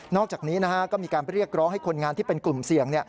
อกจากนี้ก็มีการเรียกร้องให้คนงานที่เป็นกลุ่มเสี่ยง